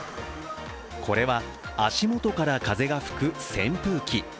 これは足元から風が吹く扇風機。